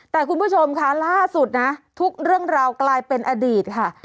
แต่คุณผู้ชมค่ะล่าสุดนะทุกเรื่องราวกลายเป็นอดีตค่ะ